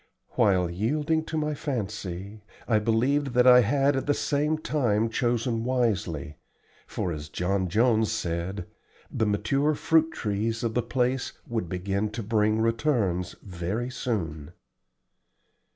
While yielding to my fancy, I believed that I had at the same time chosen wisely, for, as John Jones said, the mature fruit trees of the place would begin to bring returns very soon.